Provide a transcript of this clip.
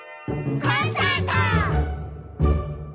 コンサート！